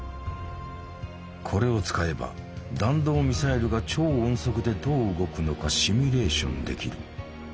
これを使えば弾道ミサイルが超音速でどう動くのかシミュレーションできる。